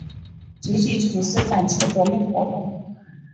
积极从事反清革命活动。